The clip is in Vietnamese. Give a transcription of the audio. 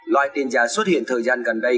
loài tiền giả xuất hiện thời gian gần đây